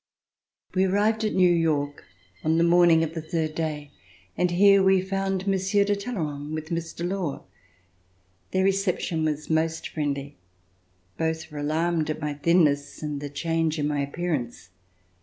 We arrived at New York on the morning of the third day and here we found Monsieur de Talley rand with Mr. Law. Their reception was most friendly. Both were alarmed at my thinness and the change In my appearance.